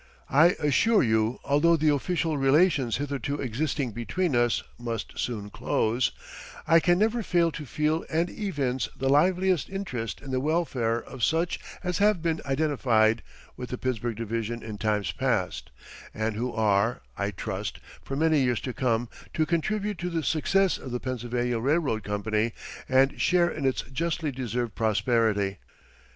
I assure you although the official relations hitherto existing between us must soon close, I can never fail to feel and evince the liveliest interest in the welfare of such as have been identified with the Pittsburgh Division in times past, and who are, I trust, for many years to come to contribute to the success of the Pennsylvania Railroad Company, and share in its justly deserved prosperity.